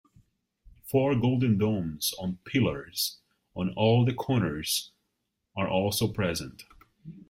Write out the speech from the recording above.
Four golden domes on pillars on all the corners are also present.